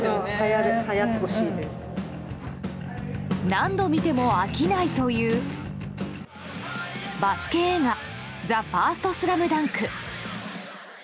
何度見ても飽きないというバスケ映画「ＴＨＥＦＩＲＳＴＳＬＡＭＤＵＮＫ」。